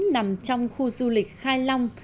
nằm trong khu du lịch khai long